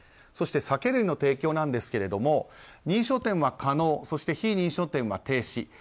そして酒類の提供なんですが認証店は可能非認証店は停止。